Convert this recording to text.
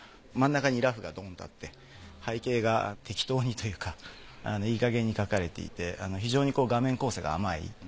真ん中に裸婦がドンとあって背景が適当にというかいいかげんに描かれていて非常に画面構成が甘い。